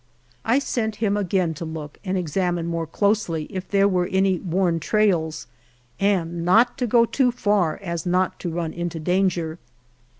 I sent him again to look and examine more closely if there were any worn trails, and not to go too far so as not to run into danger.